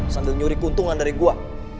sambil nyuri keuntungan dari gua